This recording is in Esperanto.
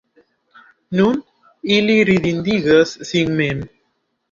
nu, ili ridindigas sin mem.